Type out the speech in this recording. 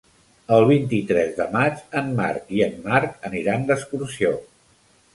El vint-i-tres de maig en Marc i en Marc aniran d'excursió.